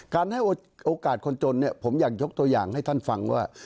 ให้โอกาสคนจนเนี่ยผมอยากยกตัวอย่างให้ท่านฟังว่า